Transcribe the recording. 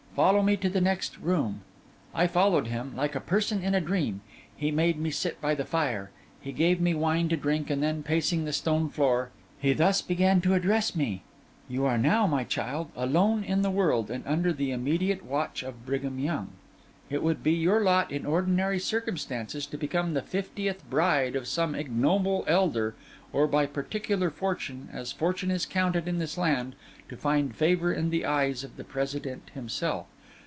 Follow me to the next room.' I followed him, like a person in a dream; he made me sit by the fire, he gave me wine to drink; and then, pacing the stone floor, he thus began to address me— 'You are now, my child, alone in the world, and under the immediate watch of Brigham Young. It would be your lot, in ordinary circumstances, to become the fiftieth bride of some ignoble elder, or by particular fortune, as fortune is counted in this land, to find favour in the eyes of the President himself.